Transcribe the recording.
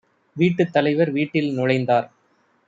வீட்டுத் தலைவர் வீட்டில் நுழைந்தார்.